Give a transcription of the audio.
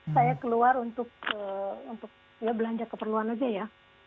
saya keluar untuk belanja keperluan aja ya